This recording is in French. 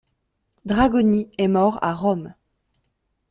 Dragoni est mort à Rome.